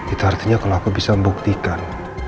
itu artinya kalau aku bisa membuktikan